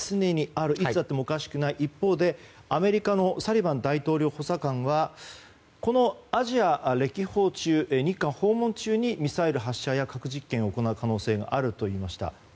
いつあってもおかしくない一方でアメリカのサリバン大統領補佐官はこのアジア歴訪中日韓を訪問中にミサイル発射や核実験を行う可能性があると言いました。